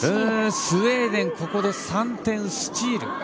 スウェーデンここで３点スチール。